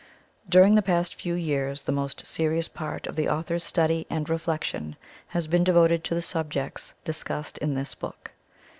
During the past few years the most serious part of the author's study and reflection has been devoted to the subjects discussed in this book.